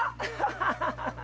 ハハハハ。